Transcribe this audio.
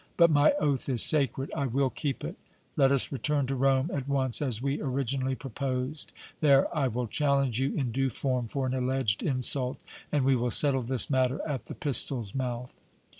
But my oath is sacred I will keep it! Let us return to Rome at once as we originally proposed. There I will challenge you in due form for an alleged insult, and we will settle this matter at the pistol's mouth!"